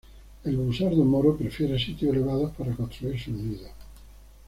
El busardo moro prefiere sitios elevados para construir sus nidos.